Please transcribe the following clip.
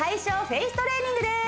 フェイストレーニングです